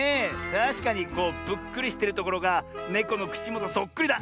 たしかにこうぷっくりしてるところがネコのくちもとそっくりだ。